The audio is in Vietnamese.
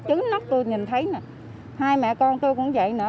chứng nóc tôi nhìn thấy nè hai mẹ con tôi cũng vậy nữa